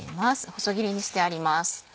細切りにしてあります。